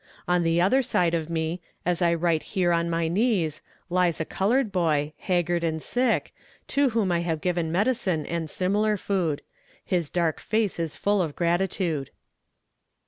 On the other side of me, as I write here on my knees, lies a colored boy, haggard and sick, to whom I have given medicine and similar food. His dark face is full of gratitude."